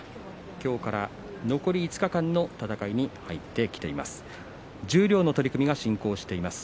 今日から残り５日間の戦いに入っています。